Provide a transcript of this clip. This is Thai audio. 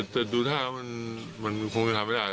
แต่ดูท่ามันคงจะทำไม่ได้